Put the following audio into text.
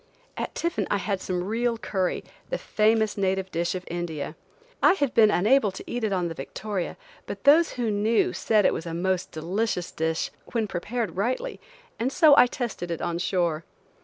At tiffin I had some real curry, the famous native dish of India. I had been unable to eat it on the Victoria, but those who knew said it was a most delicious dish when prepared rightly and so I tested it on shore.